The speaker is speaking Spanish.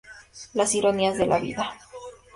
Las ironías de la vida.